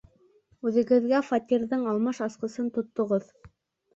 Үҙегеҙҙә фатирҙың алмаш асҡысын тотоғоҙ.